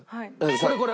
これこれ。